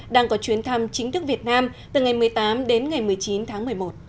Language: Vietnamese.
đang có chuyến thăm chính thức việt nam từ ngày một mươi tám đến ngày một mươi chín tháng một mươi một